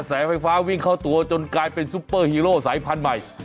แสงไฟฟ้าวิ่งเข้าตัวจนกลายเป็นซุปเปอร์ฮีโร่สายพันธุ์ใหม่